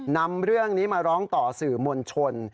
นำเรื่องนี้มาร้องต่อสื่อมวลชน